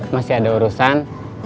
masih ada urusan